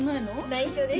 内緒です